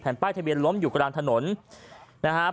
ป้ายทะเบียนล้มอยู่กลางถนนนะฮะ